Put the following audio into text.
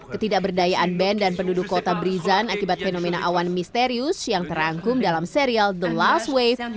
ketidakberdayaan band dan penduduk kota brisan akibat fenomena awan misterius yang terangkum dalam serial the last wave